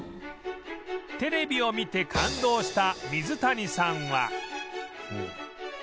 テレビを見て感動した水谷さんは